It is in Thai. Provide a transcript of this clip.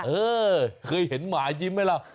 เออเคยเห็นหมายิ้มไหมล่ะ